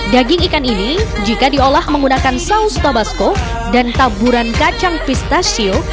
daging ikan ini jika diolah menggunakan saus tabasco dan taburan kacang pistachio